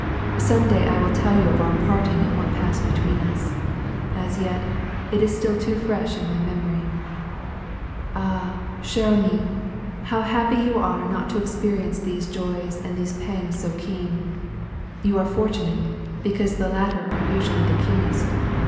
Some day I will tell you of our parting and what passed between us. As yet, it is still too fresh in my memory. " Ah ! ehere amie ! how happy you are not to experience these joys and these pangs so keen ! You are fortunate, because the latter are usually the keenest.